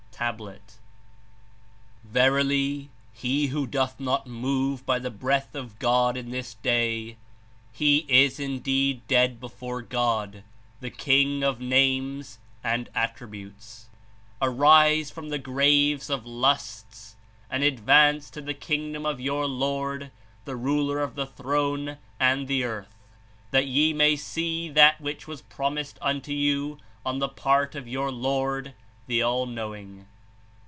(Tablet,) "Verily, he who doth not move by the Breath of God in His Day, he is indeed dead before God, the King of Names and Attributes. Arise from the graves of lusts and advance to the Kingdom of your Lord, the Ruler of the throne and the earth, that ye may see that which was promised unto you on the part of your Lord, the All knowing.